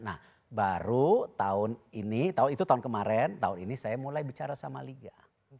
nah baru tahun ini itu tahun kemarin tahun ini saya mulai bicara sama liga